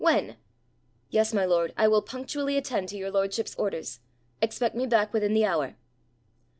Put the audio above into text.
When? Yes, my lord, I will punctually attend to your lordship's orders. Expect me back within the hour.'